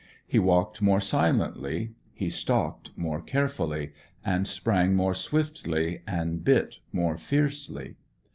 He walked more silently, he stalked more carefully, and sprang more swiftly, and bit more fiercely.